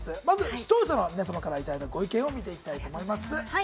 視聴者の皆さまからいただいたご意見を見ていきます。